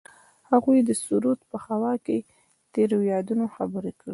هغوی د سرود په خوا کې تیرو یادونو خبرې کړې.